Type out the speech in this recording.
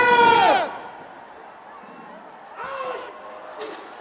เวรบัติสุภิกษ์